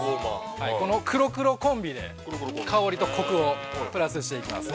この黒黒コンビで香りとコクをプラスしていきますね。